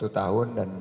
satu tahun dan